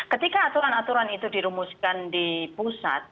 ketika aturan aturan itu dirumuskan di pusat